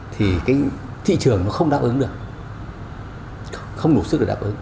thì cái thị trường nó không đáp ứng được không đủ sức để đáp ứng